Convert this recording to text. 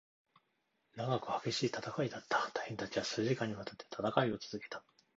長く、激しい戦いだった。隊員達は数時間に渡って戦いを続けた。